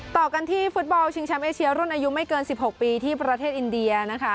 ต่อกันที่ฟุตบอลชิงแชมป์เอเชียรุ่นอายุไม่เกิน๑๖ปีที่ประเทศอินเดียนะคะ